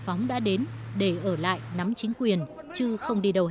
tổng thống chế độ vừa sụp đổ